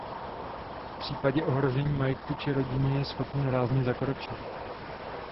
V případě ohrožení majetku či rodiny je schopný rázně zakročit.